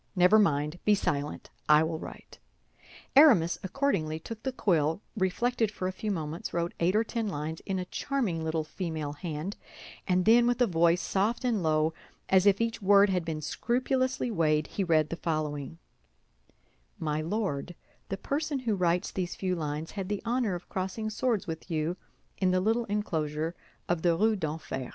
Never mind! Be silent, I will write." Aramis accordingly took the quill, reflected for a few moments, wrote eight or ten lines in a charming little female hand, and then with a voice soft and slow, as if each word had been scrupulously weighed, he read the following: "My Lord, The person who writes these few lines had the honor of crossing swords with you in the little enclosure of the Rue d'Enfer.